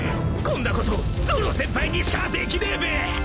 ［こんなことゾロ先輩にしかできねえべ］